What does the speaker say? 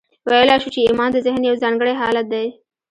ویلای شو چې ایمان د ذهن یو ځانګړی حالت دی